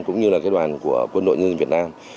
cũng như đoàn của quân đội nhân dân việt nam